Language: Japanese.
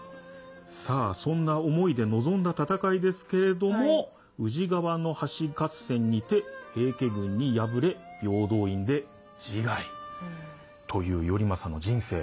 さあそんな思いで臨んだ戦いですけれども宇治川の橋合戦にて平家軍に敗れ平等院で自害という頼政の人生。